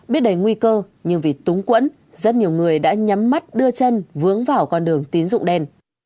biết đầy nguy cơ nhưng vì túng quẫn rất nhiều người đã nhắm mắt đưa chân vướng vào con đường tín dụng đen